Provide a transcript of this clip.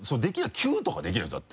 「Ｑ」とかできないだって